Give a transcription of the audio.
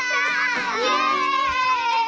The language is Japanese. イエイ！